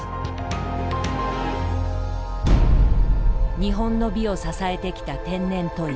日本の美を支えてきた天然砥石。